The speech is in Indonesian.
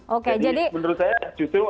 jadi menurut saya justru